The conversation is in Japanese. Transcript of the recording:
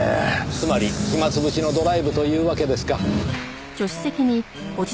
つまり暇潰しのドライブというわけですか。